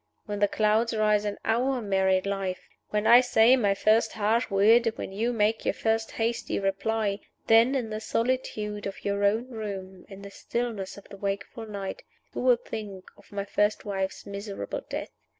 When the clouds rise in our married life when I say my first harsh word, when you make your first hasty reply then, in the solitude of your own room, in the stillness of the wakeful night, you will think of my first wife's miserable death.